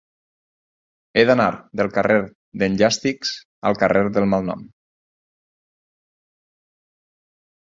He d'anar del carrer d'en Llàstics al carrer del Malnom.